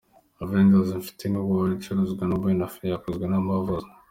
Avengers: Infinity War ni filime icuruzwa na Buena Vista, yakozwe na Marvels.